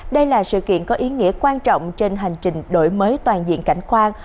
đây là sự kiện có ý nghĩa quan trọng trên hành trình đổi mới toàn diện cảnh quan